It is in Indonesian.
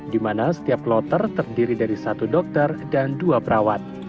di mana setiap kloter terdiri dari satu dokter dan dua perawat